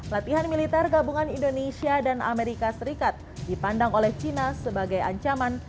latihan militer gabungan indonesia dan amerika serikat dipandang oleh china sebagai ancaman